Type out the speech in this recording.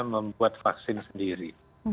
membuat vaksin sendiri